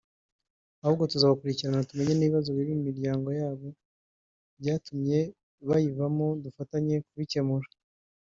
ahubwo tuzabakurikirana tumenye n’ibibazo biri mu miryango yabo byatumye bayivamo dufatanye kubikemura”